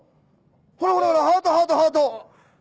ほらほらほらハートハートハート。